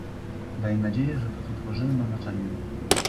Daje nadzieję, że to, co tworzymy ma znaczenie